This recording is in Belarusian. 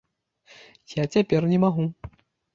Я цяпер не магу.